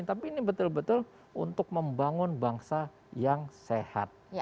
tapi ini betul betul untuk membangun bangsa yang sehat